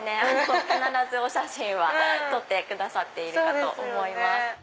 必ずお写真は撮ってくださっていると思います。